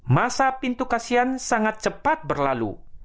masa pintu kasihan sangat cepat berlalu